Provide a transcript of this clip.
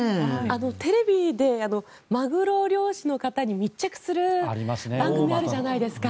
テレビでマグロ漁師の方に密着する番組があるじゃないですか。